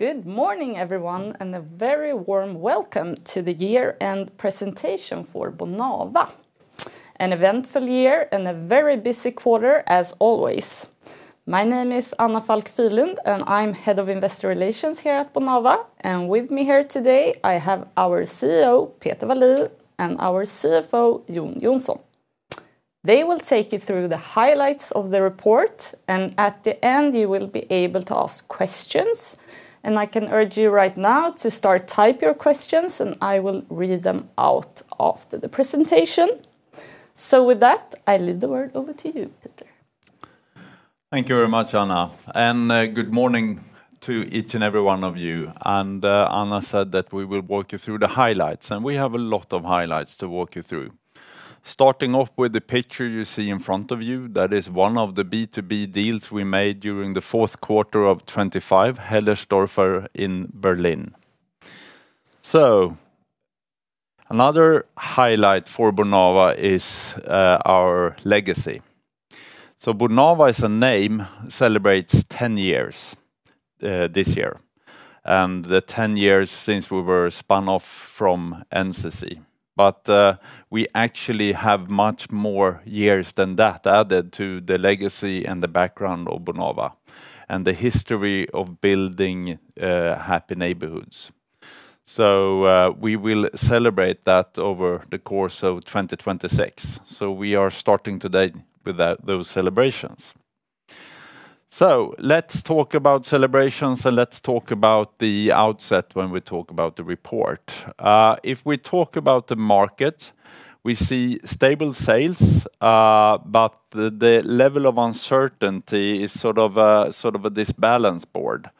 Good morning, everyone, and a very warm welcome to the year-end presentation for Bonava. An eventful year and a very busy quarter, as always. My name is Anna Falk Nylund, and I'm Head of Investor Relations here at Bonava, and with me here today, I have our CEO, Peter Wallin, and our CFO, Jon Johnsson. They will take you through the highlights of the report, and at the end, you will be able to ask questions. I can urge you right now to start typing your questions, and I will read them out after the presentation. So with that, I leave the word over to you, Peter. Thank you very much, Anna, and, good morning to each and every one of you. Anna said that we will walk you through the highlights, and we have a lot of highlights to walk you through. Starting off with the picture you see in front of you, that is one of the B2B deals we made during the fourth quarter of 2025, Hellersdorf in Berlin. Another highlight for Bonava is, our legacy. Bonava, as a name, celebrates 10 years, this year, and the 10 years since we were spun off from NCC. But, we actually have much more years than that added to the legacy and the background of Bonava, and the history of building, happy neighborhoods. We will celebrate that over the course of 2026. We are starting today with, those celebrations. So let's talk about celebrations, and let's talk about the outset when we talk about the report. If we talk about the market, we see stable sales, but the level of uncertainty is sort of across the board.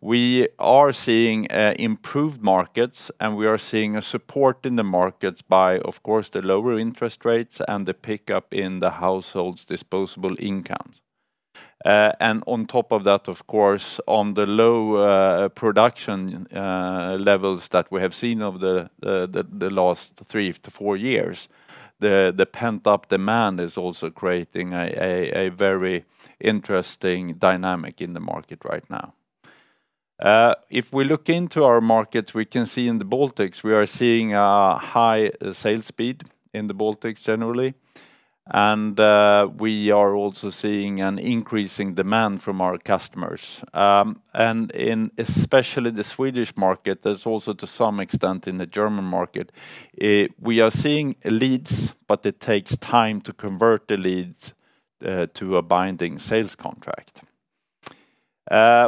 We are seeing improved markets, and we are seeing a support in the markets by, of course, the lower interest rates and the pickup in the households' disposable incomes. And on top of that, of course, on the low production levels that we have seen over the last 3-4 years, the pent-up demand is also creating a very interesting dynamic in the market right now. If we look into our markets, we can see in the Baltics we are seeing a high sales speed in the Baltics generally, and we are also seeing an increasing demand from our customers. And especially in the Swedish market, there's also, to some extent, in the German market, we are seeing leads, but it takes time to convert the leads to a binding sales contract.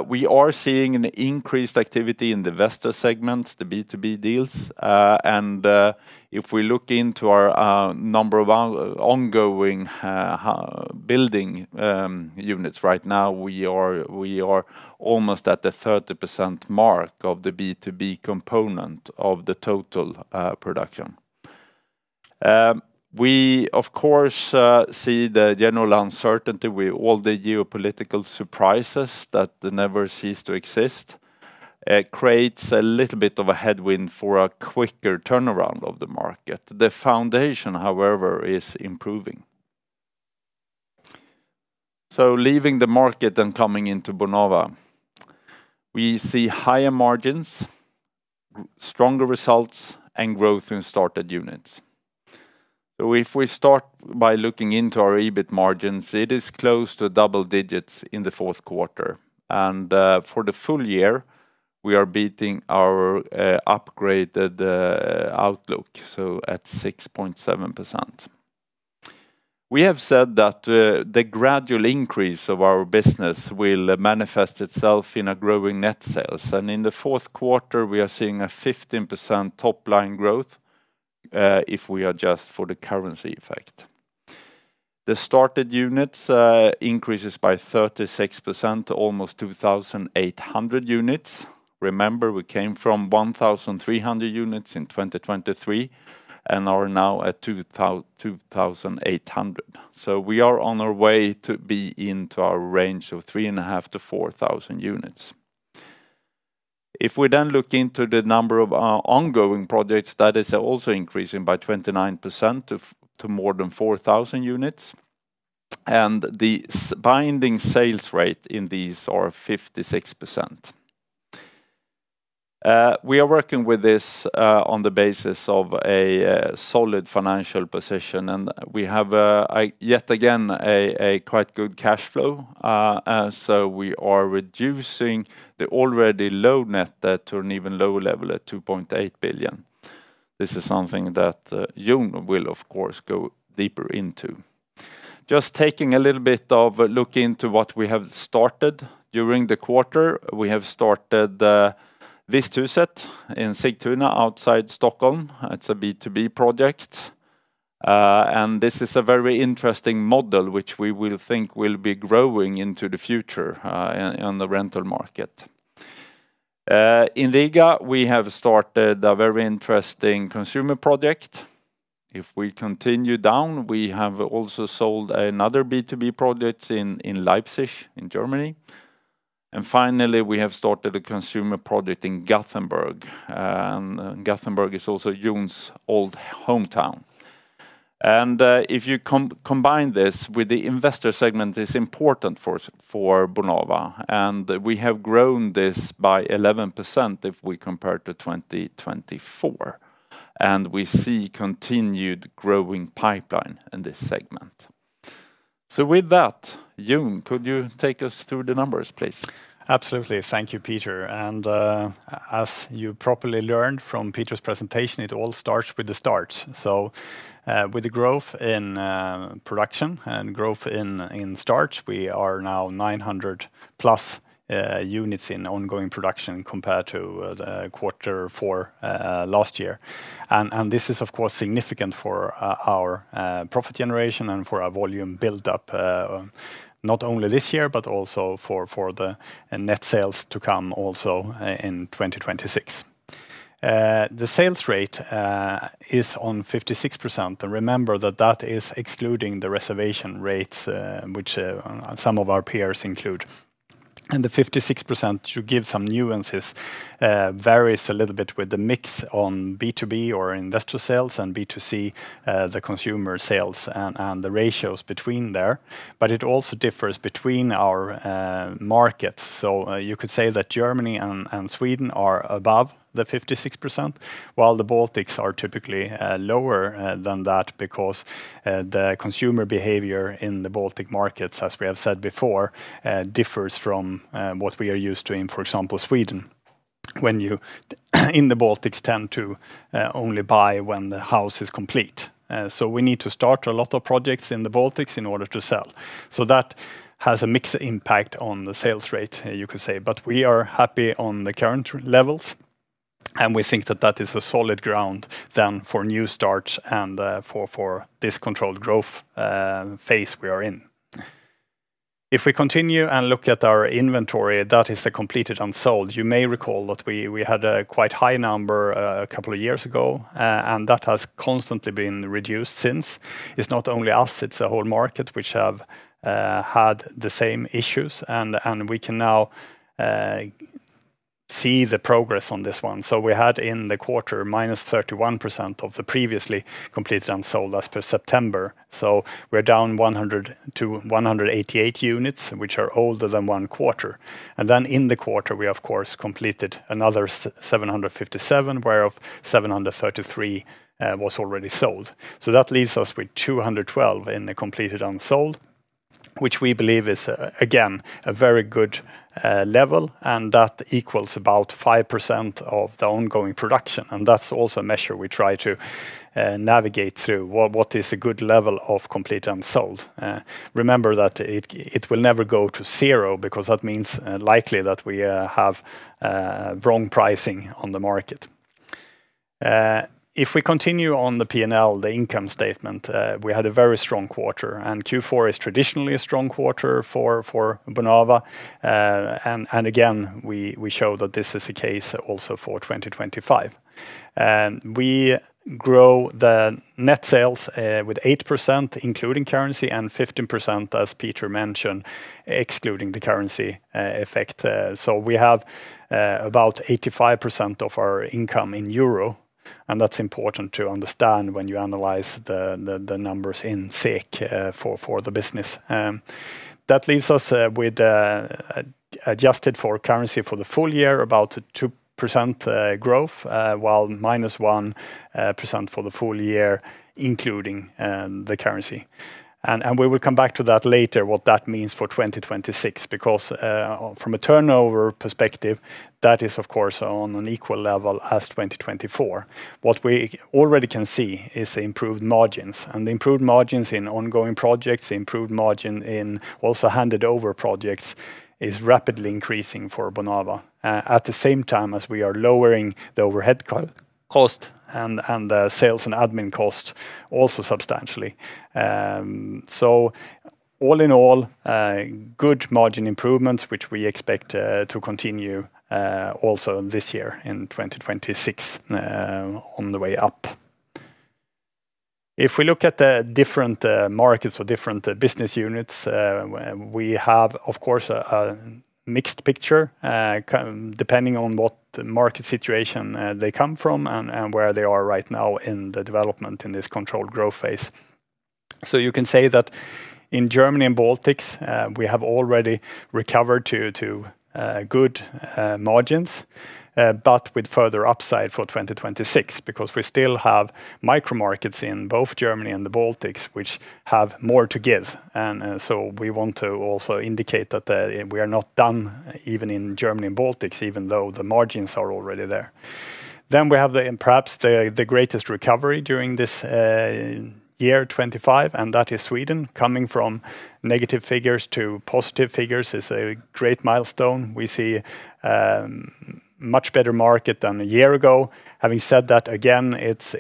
We are seeing an increased activity in the investor segments, the B2B deals. And if we look into our number of ongoing building units right now, we are almost at the 30% mark of the B2B component of the total production. We, of course, see the general uncertainty with all the geopolitical surprises that never cease to exist. It creates a little bit of a headwind for a quicker turnaround of the market. The foundation, however, is improving. So leaving the market and coming into Bonava, we see higher margins, stronger results, and growth in started units. So if we start by looking into our EBIT margins, it is close to double digits in the fourth quarter. And, for the full year, we are beating our upgraded outlook, so at 6.7%. We have said that the gradual increase of our business will manifest itself in a growing net sales, and in the fourth quarter, we are seeing a 15% top-line growth, if we adjust for the currency effect. The started units increases by 36% to almost 2,800 units. Remember, we came from 1,300 units in 2023 and are now at 2,800. So we are on our way to be into our range of 3,500-4,000 units. If we then look into the number of ongoing projects, that is also increasing by 29% to more than 4,000 units, and the binding sales rate in these are 56%. We are working with this on the basis of a solid financial position, and we have yet again a quite good cash flow. And so we are reducing the already low net debt to an even lower level at 2.8 billion. This is something that Jon will, of course, go deeper into. Just taking a little bit of a look into what we have started during the quarter. We have started Växthuset in Sigtuna, outside Stockholm. It's a B2B project. And this is a very interesting model, which we will think will be growing into the future, in on the rental market. In Riga, we have started a very interesting consumer project. If we continue down, we have also sold another B2B project in Leipzig, in Germany. And finally, we have started a consumer project in Gothenburg, and Gothenburg is also Jon's old hometown. If you combine this with the investor segment, it's important for Bonava, and we have grown this by 11% if we compare to 2024. And we see continued growing pipeline in this segment. So with that, Jon, could you take us through the numbers, please? Absolutely. Thank you, Peter. And, as you properly learned from Peter's presentation, it all starts with the starts. So, with the growth in production and growth in starts, we are now 900+ units in ongoing production compared to the quarter four last year. And this is, of course, significant for our profit generation and for our volume build-up, not only this year, but also for the net sales to come also in 2026. The sales rate is on 56%. And remember that that is excluding the reservation rates, which some of our peers include. The 56%, to give some nuances, varies a little bit with the mix on B2B or institutional sales and B2C, the consumer sales, and the ratios between there, but it also differs between our markets. So, you could say that Germany and Sweden are above the 56%, while the Baltics are typically lower than that because the consumer behavior in the Baltic markets, as we have said before, differs from what we are used to in, for example, Sweden, when you, in the Baltics, tend to only buy when the house is complete. So we need to start a lot of projects in the Baltics in order to sell. So that has a mixed impact on the sales rate, you could say. But we are happy on the current levels, and we think that that is a solid ground then for new starts and for this controlled growth phase we are in. If we continue and look at our inventory, that is the completed unsold. You may recall that we had a quite high number a couple of years ago, and that has constantly been reduced since. It's not only us, it's the whole market, which have had the same issues, and we can now see the progress on this one. So we had in the quarter -31% of the previously completed and sold as per September. So we're down 100-188 units, which are older than one quarter. Then in the quarter, we, of course, completed another 757, whereof 733 was already sold. So that leaves us with 212 in the completed unsold, which we believe is, again, a very good level, and that equals about 5% of the ongoing production, and that's also a measure we try to navigate through. What is a good level of completed unsold? Remember that it will never go to zero because that means likely that we have wrong pricing on the market. If we continue on the P&L, the income statement, we had a very strong quarter, and Q4 is traditionally a strong quarter for Bonava. And again, we show that this is the case also for 2025. We grow the net sales with 8%, including currency, and 15%, as Peter mentioned, excluding the currency effect. So we have about 85% of our income in euro, and that's important to understand when you analyze the numbers in SEK for the business. That leaves us with adjusted for currency for the full year, about a 2% growth, while -1% for the full year, including the currency. We will come back to that later, what that means for 2026, because from a turnover perspective, that is, of course, on an equal level as 2024. What we already can see is improved margins, and improved margins in ongoing projects, improved margin in also handed-over projects, is rapidly increasing for Bonava. At the same time, as we are lowering the overhead cost and the sales and admin cost also substantially. So all in all, good margin improvements, which we expect to continue also this year in 2026, on the way up. If we look at the different markets or different business units, we have, of course, a mixed picture, kind of depending on what market situation they come from and where they are right now in the development in this controlled growth phase. So you can say that in Germany and Baltics, we have already recovered to good margins, but with further upside for 2026 because we still have micro markets in both Germany and the Baltics, which have more to give. So we want to also indicate that we are not done even in Germany and Baltics, even though the margins are already there. Then we have the greatest recovery during this year 2025, and that is Sweden. Coming from negative figures to positive figures is a great milestone. We see much better market than a year ago. Having said that, again, it's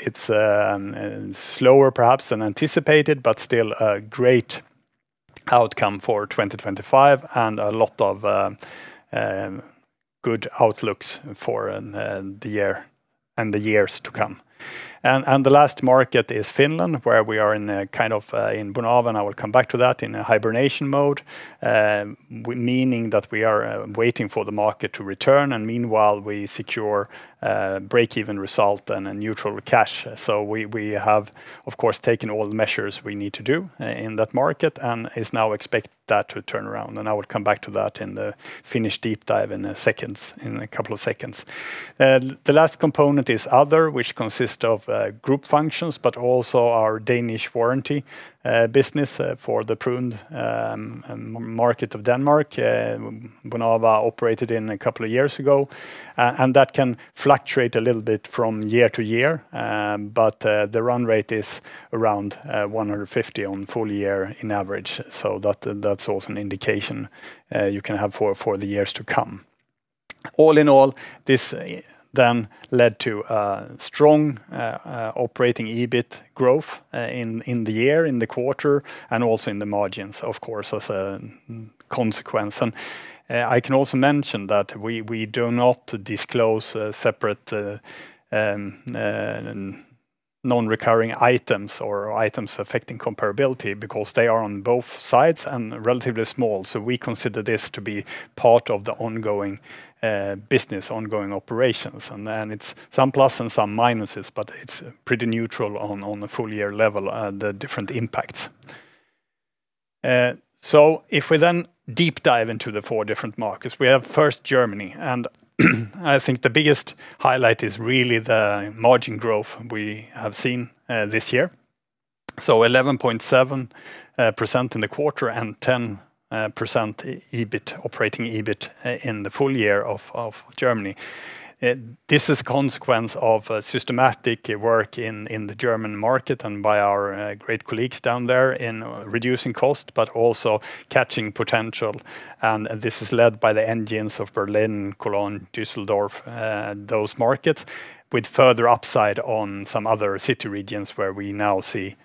slower, perhaps, than anticipated, but still a great outcome for 2025 and a lot of good outlooks for the year and the years to come. And the last market is Finland, where we are in a kind of in Bonava, and I will come back to that, in a hibernation mode. Meaning that we are waiting for the market to return, and meanwhile, we secure break-even result and a neutral cash. So we have, of course, taken all the measures we need to do in that market, and is now expect that to turn around, and I will come back to that in the Finnish deep dive in seconds, in a couple of seconds. The last component is other, which consists of group functions, but also our Danish warranty business for the pruned market of Denmark, Bonava operated in a couple of years ago. And that can fluctuate a little bit from year-to-year, but the run rate is around 150 on full year in average. So that, that's also an indication you can have for the years to come. All in all, this then led to a strong operating EBIT growth in the year in the quarter, and also in the margins, of course, as a consequence. And I can also mention that we do not disclose separate non-recurring items or items affecting comparability because they are on both sides and relatively small. So we consider this to be part of the ongoing business, ongoing operations, and then it's some plus and some minuses, but it's pretty neutral on a full year level, the different impacts. So if we then deep dive into the four different markets, we have first Germany, and I think the biggest highlight is really the margin growth we have seen this year. 11.7% in the quarter and 10%, EBIT, operating EBIT, in the full year of Germany. This is consequence of systematic work in the German market and by our great colleagues down there in reducing cost, but also catching potential. And this is led by the engines of Berlin, Cologne, Düsseldorf, those markets, with further upside on some other city regions where we now see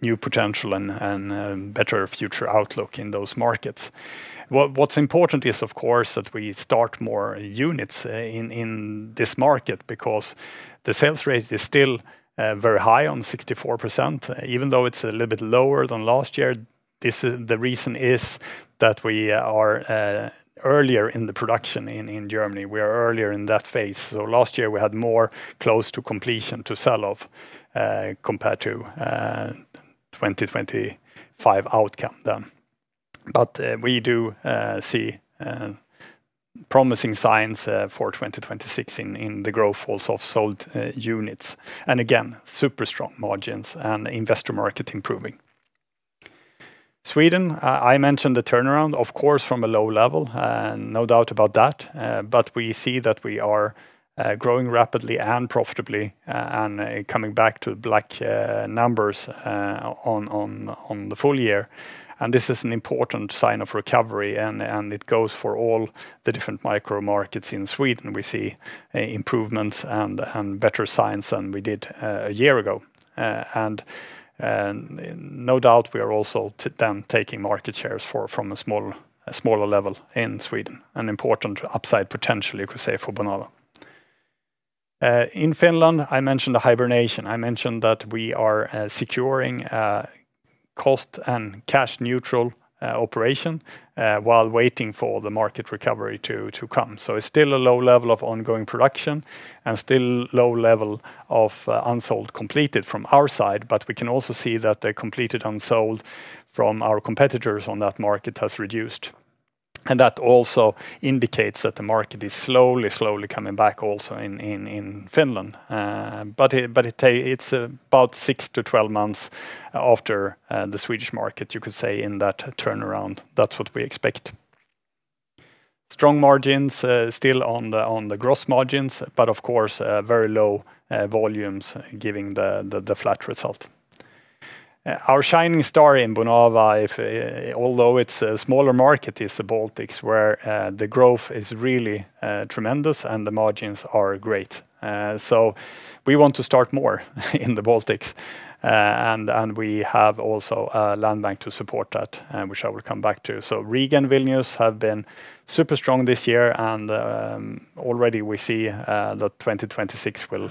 new potential and better future outlook in those markets. What's important is, of course, that we start more units in this market because the sales rate is still very high on 64%, even though it's a little bit lower than last year. This. The reason is that we are earlier in the production in Germany. We are earlier in that phase. So last year, we had more close to completion to sell off, compared to 2025 outcome then. But we do see promising signs for 2026 in the growth also of sold units, and again, super strong margins and investor market improving. Sweden, I mentioned the turnaround, of course, from a low level, and no doubt about that, but we see that we are growing rapidly and profitably, and coming back to black numbers on the full year. And this is an important sign of recovery, and it goes for all the different micro markets in Sweden. We see improvements and better signs than we did a year ago. No doubt, we are also then taking market shares from a smaller level in Sweden, an important upside, potentially, you could say, for Bonava. In Finland, I mentioned the hibernation. I mentioned that we are securing cost and cash-neutral operation while waiting for the market recovery to come. So it's still a low level of ongoing production and still low level of unsold completed from our side, but we can also see that the completed unsold from our competitors on that market has reduced. And that also indicates that the market is slowly, slowly coming back also in Finland. But it's about 6-12 months after the Swedish market, you could say, in that turnaround. That's what we expect. Strong margins still on the gross margins, but of course very low volumes, giving the flat result. Our shining star in Bonava, although it's a smaller market, is the Baltics, where the growth is really tremendous, and the margins are great. So we want to start more in the Baltics, and we have also a land bank to support that, which I will come back to. So Riga and Vilnius have been super strong this year, and already we see that 2026 will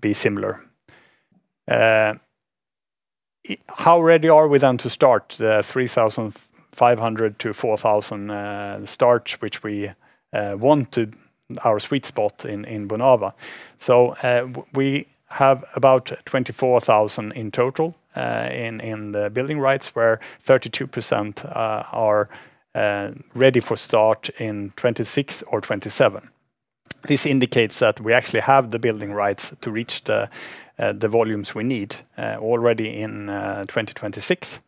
be similar. How ready are we then to start 3,500-4,000 start, which we wanted our sweet spot in Bonava? So, we have about 24,000 in total in the building rights, where 32% are ready for start in 2026 or 2027. This indicates that we actually have the building rights to reach the volumes we need already in 2026.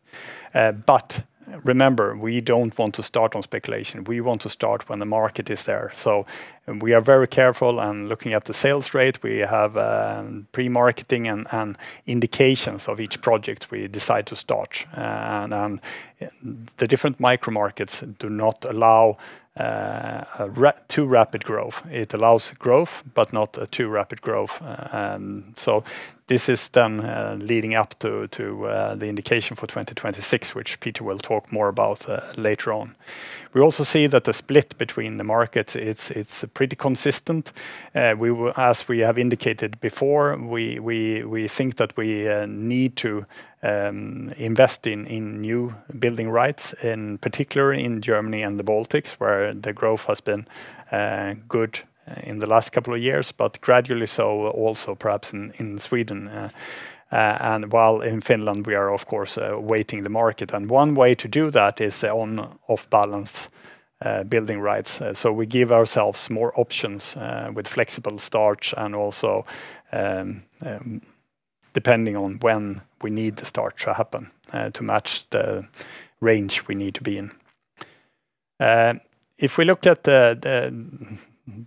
But remember, we don't want to start on speculation. We want to start when the market is there. So we are very careful and looking at the sales rate. We have pre-marketing and indications of each project we decide to start. The different micro markets do not allow too rapid growth. It allows growth, but not a too rapid growth. So this is done leading up to the indication for 2026, which Peter will talk more about later on. We also see that the split between the markets, it's pretty consistent. We will—as we have indicated before, we think that we need to invest in new building rights, in particular in Germany and the Baltics, where the growth has been good in the last couple of years, but gradually so also perhaps in Sweden. And while in Finland, we are of course waiting the market. And one way to do that is on off-balance building rights. So we give ourselves more options with flexible start and also depending on when we need the start to happen to match the range we need to be in. If we looked at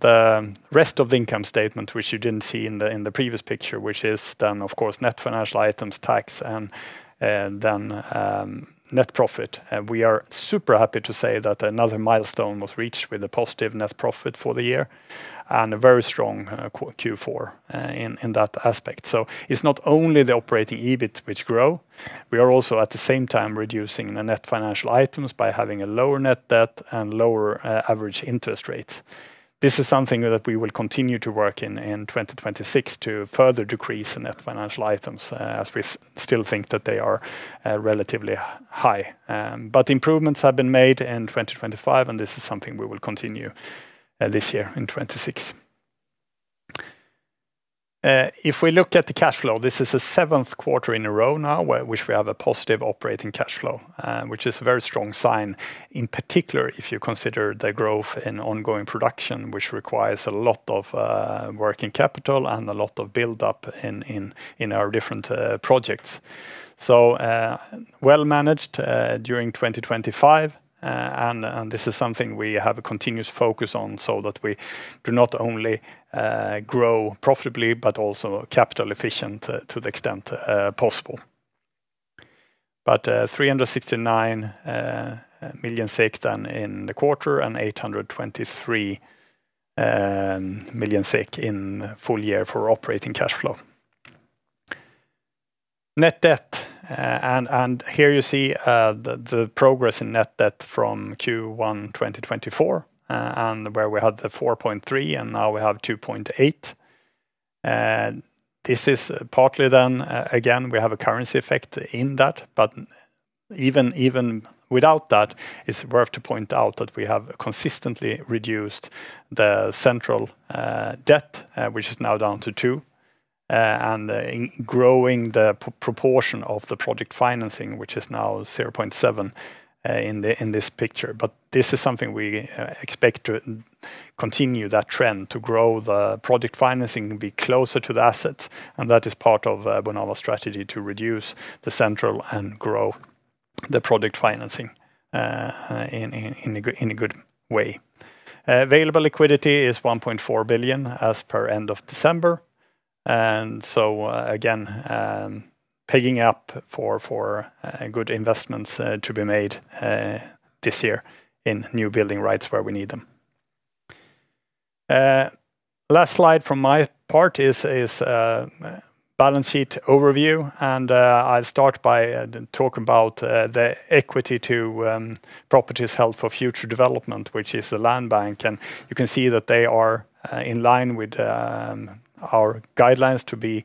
the rest of the income statement, which you didn't see in the previous picture, which is then, of course, net financial items, tax, and then net profit. We are super happy to say that another milestone was reached with a positive net profit for the year and a very strong Q4 in that aspect. So it's not only the operating EBIT which grow, we are also at the same time reducing the net financial items by having a lower net debt and lower average interest rate. This is something that we will continue to work in 2026 to further decrease the net financial items, as we still think that they are relatively high. But improvements have been made in 2025, and this is something we will continue this year in 2026. If we look at the cash flow, this is the 7th quarter in a row now, where we have a positive operating cash flow, which is a very strong sign, in particular, if you consider the growth in ongoing production, which requires a lot of working capital and a lot of build-up in our different projects. So, well managed during 2025. And this is something we have a continuous focus on, so that we do not only grow profitably, but also capital efficient, to the extent possible. But, 369 million than in the quarter, and 823 million in full year for operating cash flow. Net debt, and here you see the progress in net debt from Q1 2024, and where we had the 4.3, and now we have 2.8. And this is partly done, again, we have a currency effect in that, but even without that, it's worth to point out that we have consistently reduced the central debt, which is now down to 2, and in growing the proportion of the project financing, which is now 0.7, in this picture. But this is something we expect to continue that trend, to grow the project financing, be closer to the assets, and that is part of Bonava strategy to reduce the central and grow the project financing in a good way. Available liquidity is 1.4 billion as per end of December. And so, again, picking up for good investments to be made this year in new building rights where we need them. Last slide from my part is balance sheet overview, and I'll start by talk about the equity to properties held for future development, which is the land bank. You can see that they are in line with our guidelines to be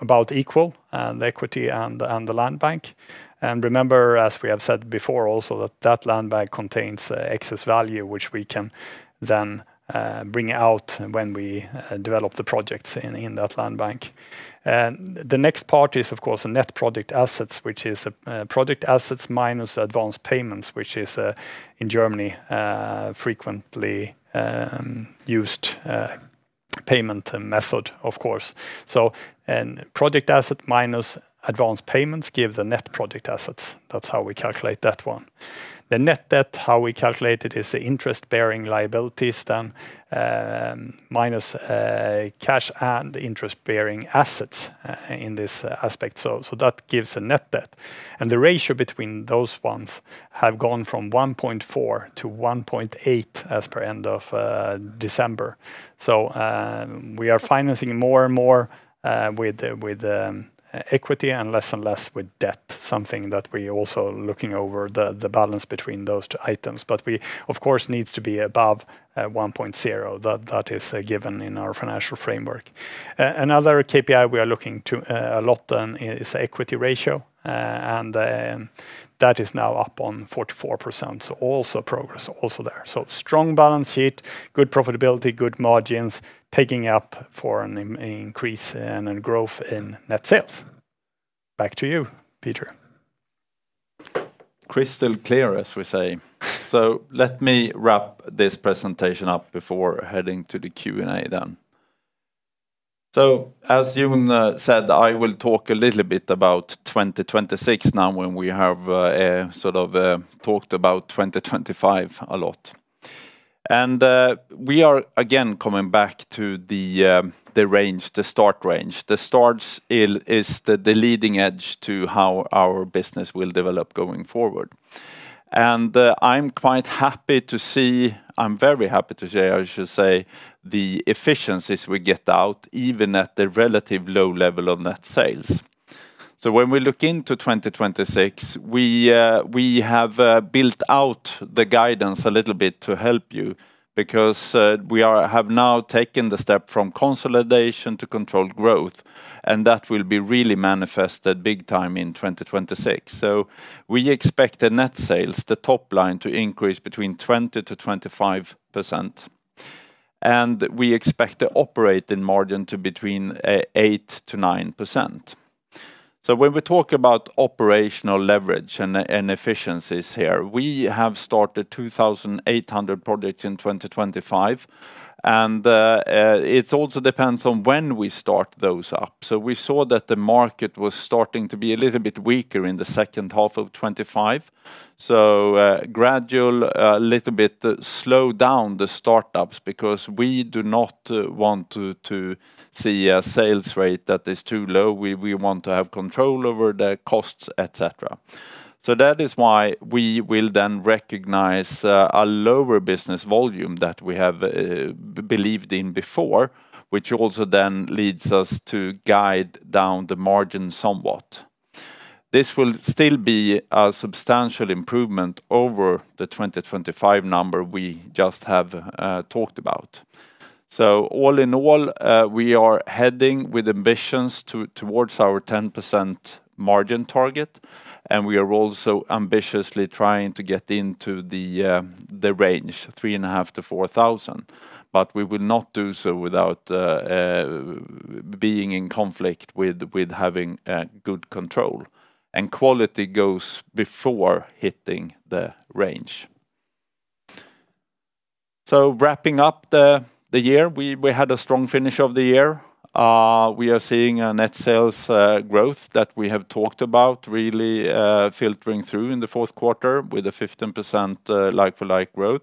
about equal, the equity and the land bank. Remember, as we have said before, also, that that land bank contains excess value, which we can then bring out when we develop the projects in that land bank. The next part is, of course, the net project assets, which is project assets minus advanced payments, which is in Germany frequently used payment method, of course. So and project asset minus advanced payments give the net project assets. That's how we calculate that one. The net debt, how we calculate it, is the interest-bearing liabilities then minus cash and interest-bearing assets in this aspect. So that gives a net debt. The ratio between those ones have gone from 1.4-1.8 as per end of December. So, we are financing more and more with equity and less and less with debt, something that we also looking over the balance between those two items. But we, of course, needs to be above 1.0. That is given in our financial framework. Another KPI we are looking to a lot on is equity ratio, and that is now up on 44%. So also progress also there. So strong balance sheet, good profitability, good margins, picking up for an increase and a growth in net sales. Back to you, Peter. Crystal clear, as we say. Let me wrap this presentation up before heading to the Q&A then. As Jon said, I will talk a little bit about 2026 now, when we have, sort of, talked about 2025 a lot. We are, again, coming back to the range, the start range. The starts is the leading edge to how our business will develop going forward. I'm quite happy to see. I'm very happy to see, I should say, the efficiencies we get out, even at the relative low level of net sales. So when we look into 2026, we have built out the guidance a little bit to help you, because we have now taken the step from consolidation to controlled growth, and that will be really manifested big time in 2026. So we expect the net sales, the top line, to increase between 20%-25%, and we expect the operating margin to between 8%-9%. So when we talk about operational leverage and efficiencies here, we have started 2,800 projects in 2025, and it also depends on when we start those up. So we saw that the market was starting to be a little bit weaker in the second half of 2025. So, gradual, little bit slow down the startups, because we do not want to see a sales rate that is too low. We want to have control over the costs, etc. So that is why we will then recognize a lower business volume that we have believed in before, which also then leads us to guide down the margin somewhat. This will still be a substantial improvement over the 2025 number we just have talked about. So all in all, we are heading with ambitions towards our 10% margin target, and we are also ambitiously trying to get into the range 3,500-4,000. But we will not do so without being in conflict with having good control, and quality goes before hitting the range. So wrapping up the year, we had a strong finish of the year. We are seeing a net sales growth that we have talked about, really, filtering through in the fourth quarter, with a 15% like-for-like growth.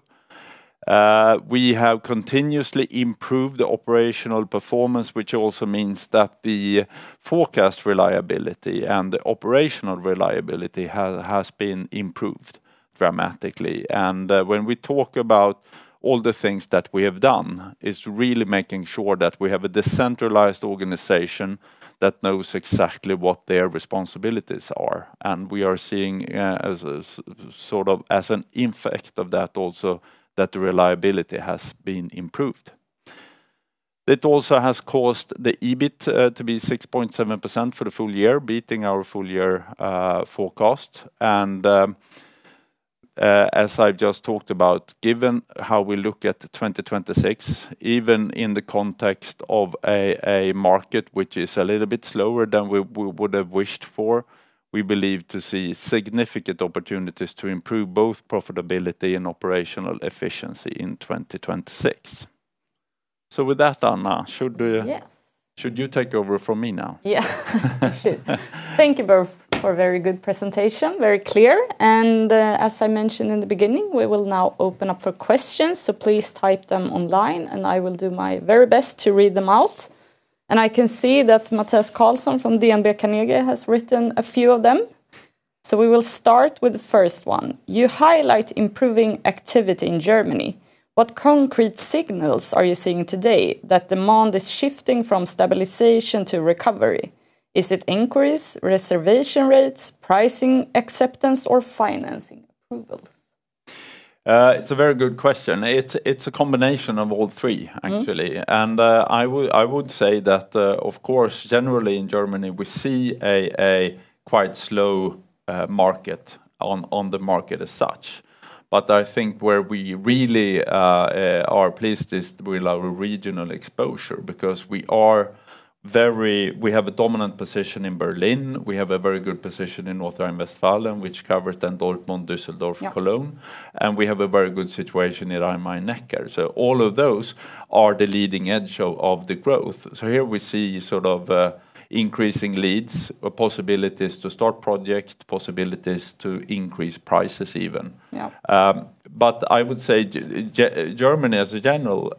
We have continuously improved the operational performance, which also means that the forecast reliability and the operational reliability has been improved dramatically. When we talk about all the things that we have done, it's really making sure that we have a decentralized organization that knows exactly what their responsibilities are. We are seeing, as a sort of as an effect of that also, that the reliability has been improved. It also has caused the EBIT to be 6.7% for the full year, beating our full year forecast. As I've just talked about, given how we look at 2026, even in the context of a market which is a little bit slower than we would have wished for, we believe to see significant opportunities to improve both profitability and operational efficiency in 2026. So with that, Anna, should- Yes? Should you take over from me now? Yeah. I should. Thank you both for a very good presentation, very clear. And, as I mentioned in the beginning, we will now open up for questions, so please type them online, and I will do my very best to read them out. And I can see that Mattias Karlsson from DNB Markets has written a few of them. So we will start with the first one. "You highlight improving activity in Germany. What concrete signals are you seeing today that demand is shifting from stabilization to recovery? Is it inquiries, reservation rates, pricing, acceptance, or financing approvals? It's a very good question. It's a combination of all three, actually. Mm-hmm. And, I would say that, of course, generally in Germany, we see a quite slow market on the market as such. But I think where we really are pleased is with our regional exposure, because we are very. We have a dominant position in Berlin. We have a very good position in North Rhine-Westphalia, which covers then Dortmund, Düsseldorf. Yeah. Cologne, and we have a very good situation in Rhine-Neckar. So all of those are the leading edge of the growth. So here we see sort of increasing leads or possibilities to start project, possibilities to increase prices even. Yeah. But I would say Germany, as a general,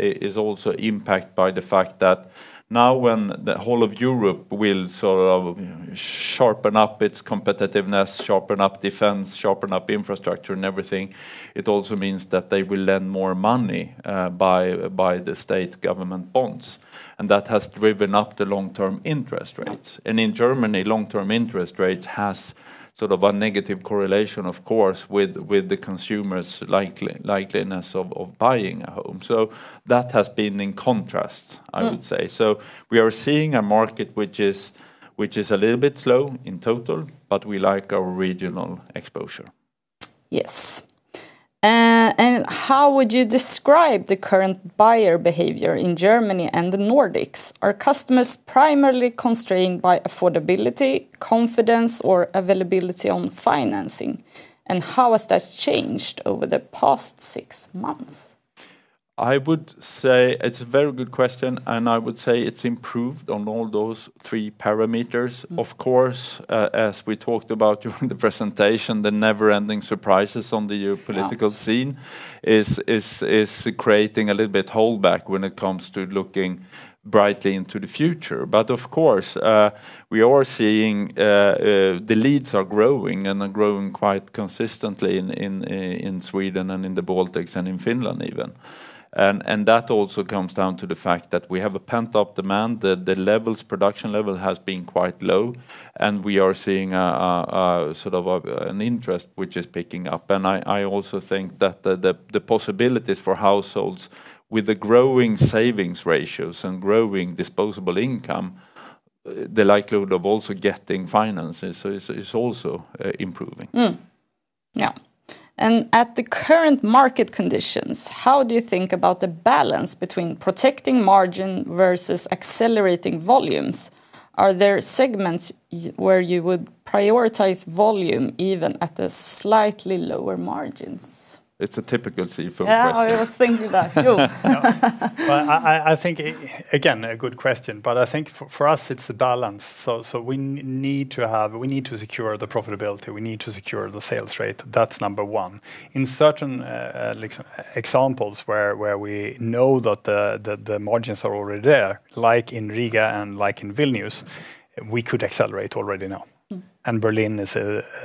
is also impacted by the fact that now when the whole of Europe will sort of sharpen up its competitiveness, sharpen up defense, sharpen up infrastructure and everything, it also means that they will lend more money, by the state government bonds, and that has driven up the long-term interest rates. And in Germany, long-term interest rates has sort of a negative correlation, of course, with the consumer's likeliness of buying a home. So that has been in contrast, I would say. So we are seeing a market which is a little bit slow in total, but we like our regional exposure. Yes. And how would you describe the current buyer behavior in Germany and the Nordics? Are customers primarily constrained by affordability, confidence, or availability on financing? And how has that changed over the past six months? I would say it's a very good question, and I would say it's improved on all those three parameters. Of course, as we talked about during the presentation, the never-ending surprises on the geopolitical scene is creating a little bit holdback when it comes to looking brightly into the future. But of course, we are seeing the leads are growing, and they're growing quite consistently in Sweden, and in the Baltics, and in Finland even. And that also comes down to the fact that we have a pent-up demand. The production level has been quite low, and we are seeing a sort of an interest which is picking up. And I also think that the possibilities for households with the growing savings ratios and growing disposable income, the likelihood of also getting finances is also improving. Yeah. And at the current market conditions, how do you think about the balance between protecting margin versus accelerating volumes? Are there segments where you would prioritize volume, even at the slightly lower margins? It's a typical CFO question. Yeah, I was thinking that, too. Well, I think, again, a good question, but I think for us, it's a balance. So we need to have... We need to secure the profitability. We need to secure the sales rate. That's number one. In certain examples where we know that the margins are already there, like in Riga and like in Vilnius, we could accelerate already now. Berlin is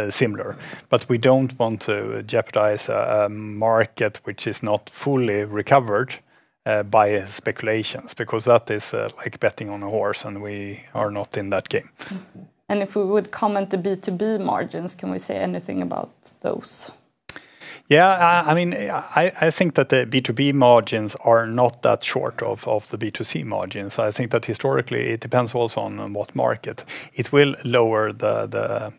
similar, but we don't want to jeopardize a market which is not fully recovered by speculations, because that is like betting on a horse, and we are not in that game. Mm-hmm. And if we would comment on the B2B margins, can we say anything about those? Yeah, I mean, I think that the B2B margins are not that short of the B2C margins. I think that historically, it depends also on what market. It will lower the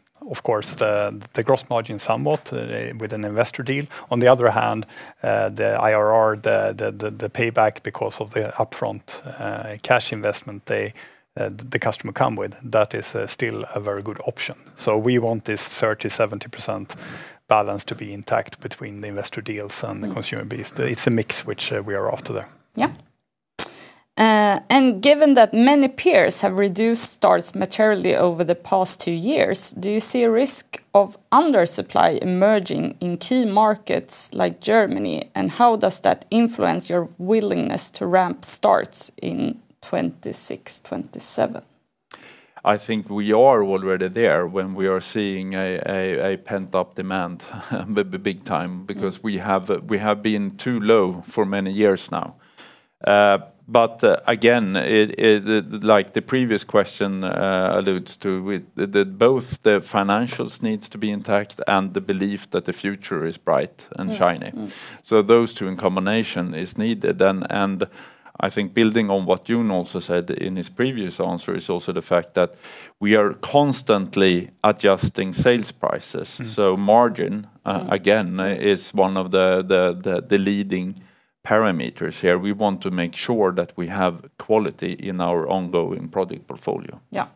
gross margin somewhat with an investor deal. On the other hand, the IRR, the payback because of the upfront cash investment the customer come with, that is still a very good option. So we want this 30/70% balance to be intact between the investor deals and the consumer base. It's a mix which, we are after there. Yeah. And given that many peers have reduced starts materially over the past two years, do you see a risk of under-supply emerging in key markets like Germany? And how does that influence your willingness to ramp starts in 2026, 2027? I think we are already there, when we are seeing a pent-up demand, but big time, because we have been too low for many years now. But again, it like the previous question alludes to, with the both the financials needs to be intact and the belief that the future is bright and shiny. Those two in combination is needed. And I think, building on what Jon also said in his previous answer, is also the fact that we are constantly adjusting sales prices. So margin, again, is one of the leading parameters here. We want to make sure that we have quality in our ongoing product portfolio. Yeah.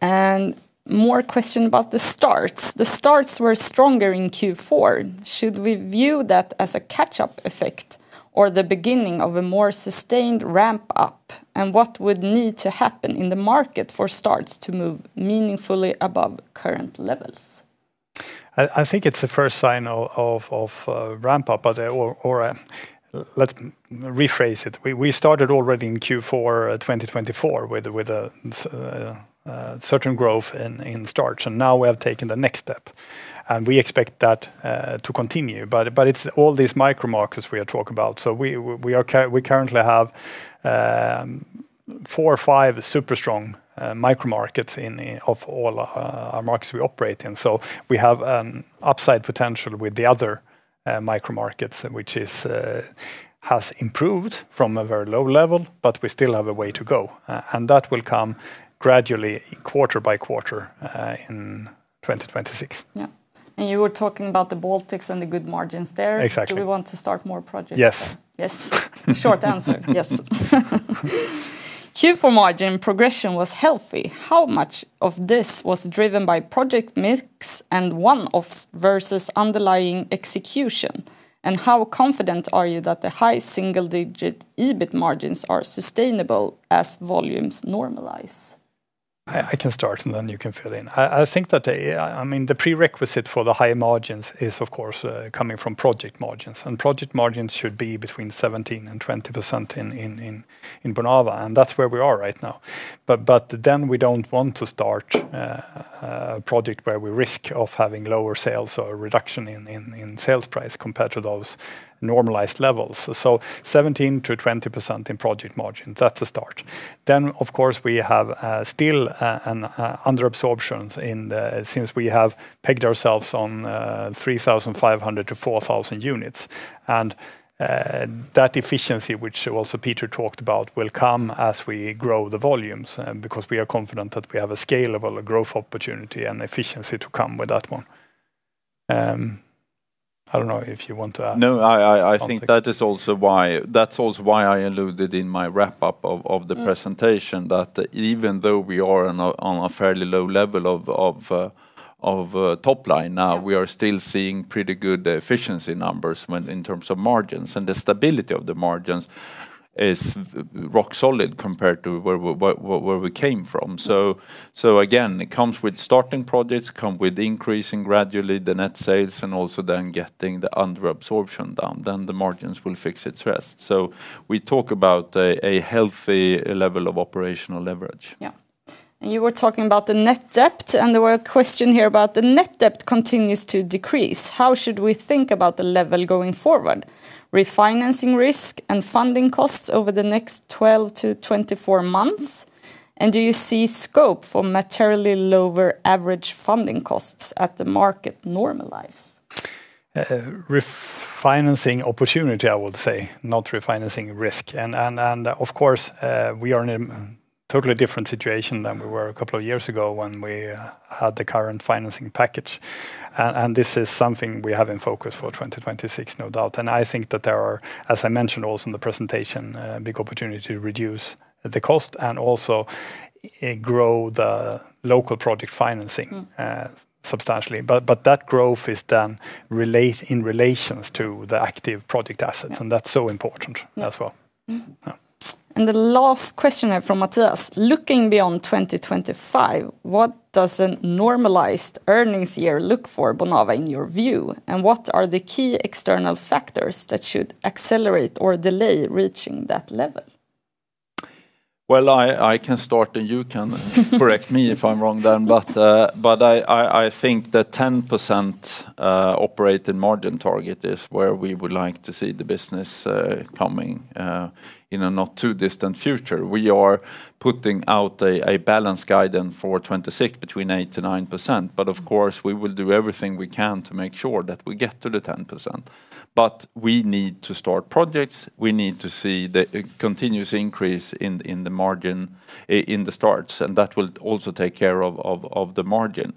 One more question about the starts: The starts were stronger in Q4. Should we view that as a catch-up effect or the beginning of a more sustained ramp-up? What would need to happen in the market for starts to move meaningfully above current levels? I think it's the first sign of ramp-up, but, or, let's rephrase it. We started already in Q4 2024 with a certain growth in starts, and now we have taken the next step, and we expect that to continue. But it's all these micro markets we are talking about. So we currently have four or five super strong micro markets in all of our markets we operate in. So we have upside potential with the other micro markets, which has improved from a very low level, but we still have a way to go, and that will come gradually, quarter by quarter, in 2026. Yeah. And you were talking about the Baltics and the good margins there? Exactly. Do we want to start more projects there? Yes. Yes. Short answer, yes. Q4 margin progression was healthy. How much of this was driven by project mix and one-offs versus underlying execution? And how confident are you that the high single-digit EBIT margins are sustainable as volumes normalize? I can start, and then you can fill in. I think that, I mean, the prerequisite for the high margins is, of course, coming from project margins, and project margins should be between 17%-20% in Bonava, and that's where we are right now. But then we don't want to start a project where we risk of having lower sales or a reduction in sales price compared to those normalized levels. So 17%-20% in project margin, that's a start. Then, of course, we have still an under-absorption since we have pegged ourselves on 3,500-4,000 units. That efficiency, which also Peter talked about, will come as we grow the volumes, because we are confident that we have a scalable growth opportunity and efficiency to come with that one. I don't know if you want to add? No, I think that is also why, that's also why I alluded in my wrap-up of the presentation, that even though we are on a fairly low level of top line now, we are still seeing pretty good efficiency numbers when in terms of margins. And the stability of the margins is rock solid compared to where we came from. So again, it comes with starting projects, come with increasing gradually the net sales, and also then getting the under absorption down, then the margins will fix its rest. So we talk about a healthy level of operational leverage. Yeah. And you were talking about the net debt, and there were a question here about the net debt continues to decrease. How should we think about the level going forward? Refinancing risk and funding costs over the next 12-24 months, and do you see scope for materially lower average funding costs at the market normalize? Refinancing opportunity, I would say, not refinancing risk. And of course, we are in a totally different situation than we were a couple of years ago when we had the current financing package. And this is something we have in focus for 2026, no doubt. And I think that there are, as I mentioned also in the presentation, a big opportunity to reduce the cost and also grow the local project financing substantially. But that growth is then related in relation to the active project assets, and that's so important as well. Mm-hmm. Yeah. And the last question here from Mattias: "Looking beyond 2025, what does a normalized earnings year look for Bonava, in your view? And what are the key external factors that should accelerate or delay reaching that level? Well, I can start, and you can correct me if I'm wrong then. But I think the 10% operating margin target is where we would like to see the business coming in a not too distant future. We are putting out a balanced guidance for 2026, between 8%-9%. But of course, we will do everything we can to make sure that we get to the 10%. But we need to start projects, we need to see the continuous increase in the margin, in the starts, and that will also take care of the margin.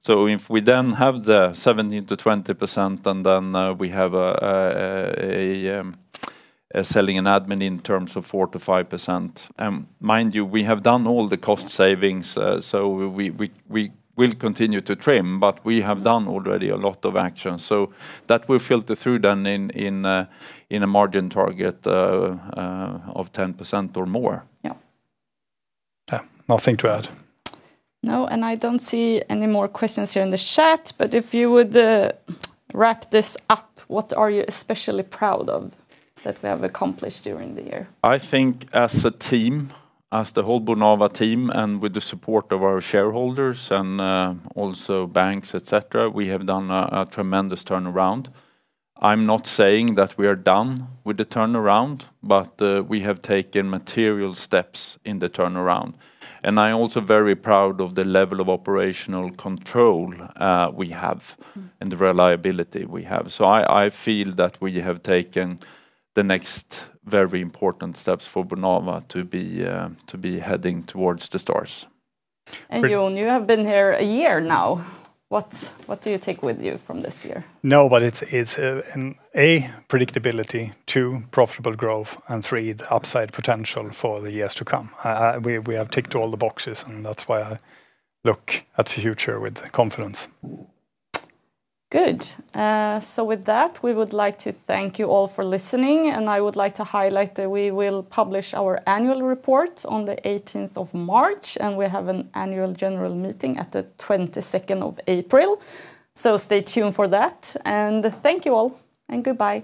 So if we then have the 17%-20%, and then we have a selling and admin in terms of 4%-5%. Mind you, we have done all the cost savings, so we will continue to trim, but we have done already a lot of action. So that will filter through then in a margin target of 10% or more. Yeah. Yeah, nothing to add. No, and I don't see any more questions here in the chat, but if you would, wrap this up, what are you especially proud of that we have accomplished during the year? I think as a team, as the whole Bonava team, and with the support of our shareholders and also banks, etc, we have done a tremendous turnaround. I'm not saying that we are done with the turnaround, but we have taken material steps in the turnaround. And I'm also very proud of the level of operational control we have and the reliability we have. So I feel that we have taken the next very important steps for Bonava to be to be heading towards the stars. Jon, you have been here a year now. What, what do you take with you from this year? No, but it's 1, predictability; 2, profitable growth; and 3, the upside potential for the years to come. We have ticked all the boxes, and that's why I look at the future with confidence. Good. So with that, we would like to thank you all for listening, and I would like to highlight that we will publish our annual report on March 18th, and we have an annual general meeting at April 22nd. So stay tuned for that, and thank you all, and goodbye.